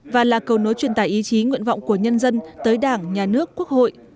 và là cầu nối truyền tải ý chí nguyện vọng của nhân dân tới đảng nhà nước quốc hội